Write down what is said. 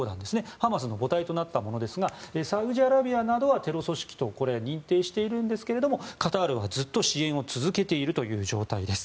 ハマスの母体となったものですがサウジアラビアなどはテロ組織と認定しているんですがカタールはずっと、支援を続けているという状態です。